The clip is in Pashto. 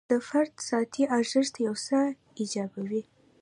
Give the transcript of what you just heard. د فرد ذاتي ارزښت یو څه ایجابوي.